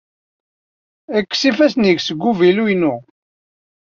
Kkes ifassen-ik seg uvilu-inu!